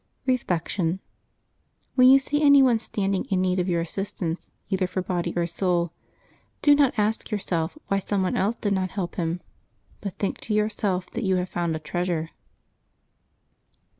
Reflection. — When you see any one standing in need of your assistance, either for body or soul, do not ask yourself why some one else did not help him, but think to yourself that you have found a treasure.